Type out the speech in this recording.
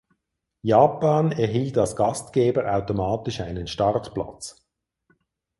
Japan erhielt als Gastgeber automatisch einen Startplatz.